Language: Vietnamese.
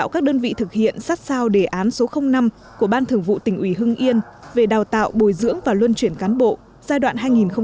các đơn vị thực hiện sát sao đề án số năm của ban thường vụ tỉnh ủy hưng yên về đào tạo bồi dưỡng và luân chuyển cán bộ giai đoạn hai nghìn một mươi sáu hai nghìn hai mươi